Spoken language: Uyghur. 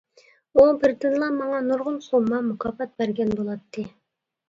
ئۇ بىردىنلا ماڭا نۇرغۇن سومما مۇكاپات بەرگەن بولاتتى!